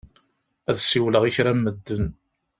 Ad siwleɣ i kra n medden.